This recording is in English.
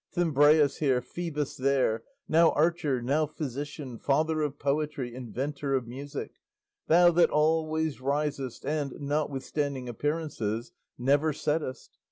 Thimbraeus here, Phoebus there, now archer, now physician, father of poetry, inventor of music; thou that always risest and, notwithstanding appearances, never settest!